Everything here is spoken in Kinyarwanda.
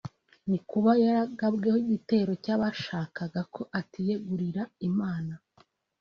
ni ukuba yaragabweho igitero cy’ abashakaga ko atiyegurira Imana